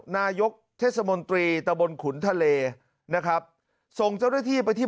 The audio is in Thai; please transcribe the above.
นายกเทศมนตรีตะบนขุนทะเลนะครับส่งเจ้าหน้าที่ไปที่